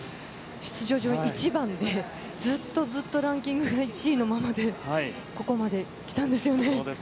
出場順１番でずっとランキング１位のままでここまで来たんですよね。